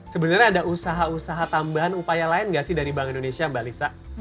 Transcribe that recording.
sebenarnya ada usaha usaha tambahan upaya lain nggak sih dari bank indonesia mbak lisa